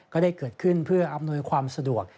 ก็ได้เกิดขึ้นเพื่ออำนวยความสะดวก